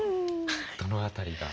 どの辺りが？